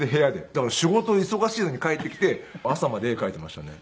だから仕事忙しいのに帰ってきて朝まで絵描いてましたね。